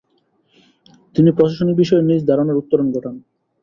তিনি প্রশাসনিক বিষয়ে নিজ ধারণার উত্তরণ ঘটান।